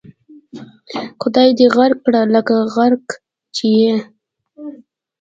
خدای دې غرق کړه لکه غرق چې یې.